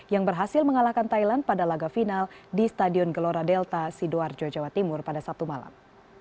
yang berhasil mengalahkan thailand pada laga final di stadion gelora delta sidoarjo jawa timur pada sabtu malam